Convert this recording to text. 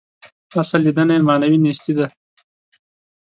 اصل لېدنه یې معنوي نیستي ده.